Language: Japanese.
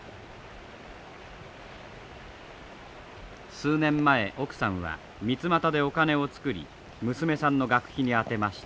数年前奥さんはミツマタでお金をつくり娘さんの学費に充てました。